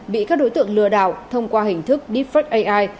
bị các đối tượng lừa đảo thông qua hình thức deepfak ai